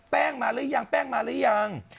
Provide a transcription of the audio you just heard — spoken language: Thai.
มาหรือยังแป้งมาหรือยัง